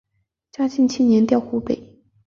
嘉庆七年调湖北。